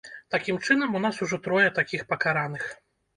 Такім чынам, у нас ужо трое такіх пакараных.